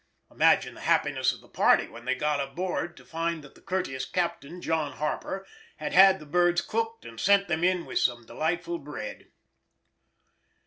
Imagine the happiness of the party when they got aboard to find that the courteous Captain John Harper had had the birds cooked and sent them in with some delightful bread.